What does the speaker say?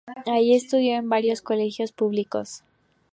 Ahí estudió en varios colegios públicos.